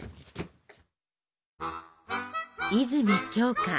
泉鏡花